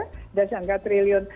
sudah di angka triliun